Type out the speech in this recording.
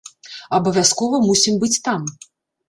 Абавязкова мусім быць там!